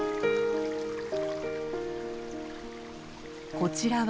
こちらは